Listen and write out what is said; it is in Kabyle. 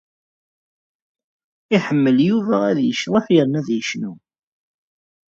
Iḥemmel Yuba ad yecḍeḥ yerna ad yecnu.